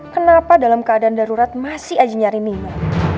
kenapa dalam keadaan darurat masih aja nyari minyak